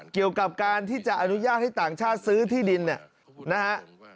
เกี่ยวกับการที่จะอนุญาตให้ต่างชาติซื้อที่ดินเนี่ยนะฮะ